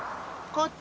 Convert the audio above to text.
こっち！